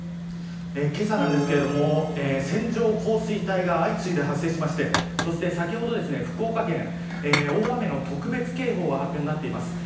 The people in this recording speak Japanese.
けさなんですけれども線状降水帯が相次いで発生しましてそして、先ほど福岡県大雨の特別警報が発表になっています。